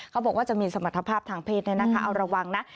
เขาบอกว่าจะมีสมรรถภาพทางเพศเนี่ยนะคะเอาระวังนะ